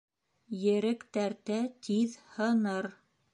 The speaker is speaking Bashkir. Ерек тәртә тиҙ һыныр.